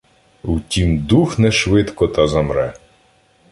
В тім дух не швидко та замре.